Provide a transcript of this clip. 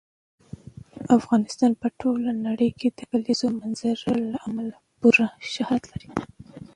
افغانستان په ټوله نړۍ کې د کلیزو منظره له امله پوره شهرت لري.